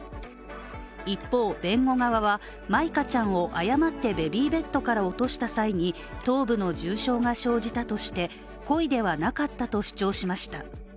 一方、弁護側は、舞香ちゃんを誤ってベビーベッドから落とした際に頭部の重傷が生じたとして、故意ではなかったと主張しました。